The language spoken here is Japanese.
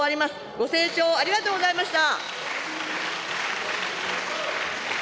ご清聴ありがとうございました。